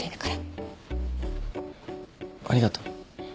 ありがとう。